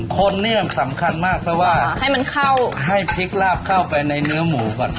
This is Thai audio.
คนเนี่ยสำคัญมากเพราะว่าให้มันเข้าให้พริกลาบเข้าไปในเนื้อหมูก่อน